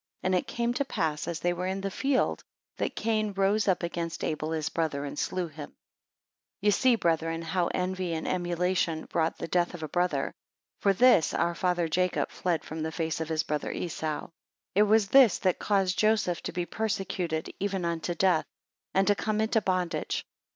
And it came to pass, as they were in the field, that Cain rose up against Abel his brother, and slew him. 5 Ye see, brethren, how envy and emulation wrought the death of a brother. For this, our father Jacob fled from the face of his brother Esau. 6 It was this that caused Joseph to be persecuted even unto death, and to come into bondage.